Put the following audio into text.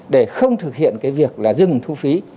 để không thực hiện cái việc là dừng thu phí